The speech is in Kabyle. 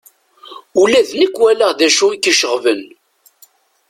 Ula d nekk walaɣ d acu i k-iceɣben.